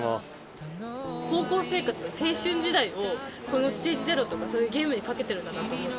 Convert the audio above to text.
高校生活青春時代をこのＳＴＡＧＥ：０とかそういうゲームにかけてるんだなと思うと。